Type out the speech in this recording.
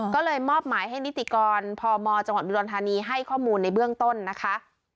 ก็เลยมอบหมายให้นิติกรพมจังหวัดอุดรธานีให้ข้อมูลในเบื้องต้นนะคะ